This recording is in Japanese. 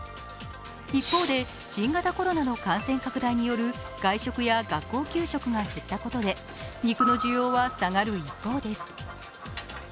一方で、新型コロナの感染拡大による外食や学校給食が減ったことで肉の需要は下がる一方です。